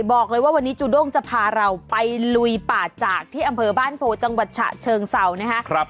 บอกเลยว่าวันนี้จูด้งจะพาเราไปลุยป่าจากที่อำเภอบ้านโพจังหวัดฉะเชิงเศร้านะคะ